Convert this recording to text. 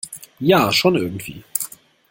Ja, schon irgendwie.